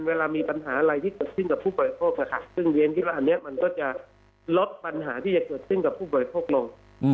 เวลามีปัญหาอะไรที่เกิดขึ้นกับผู้บริโภคซึ่งเรียนคิดว่าอันนี้มันก็จะลดปัญหาที่จะเกิดขึ้นกับผู้บริโภคลง